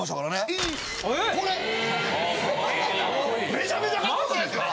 めちゃめちゃカッコよくないですか？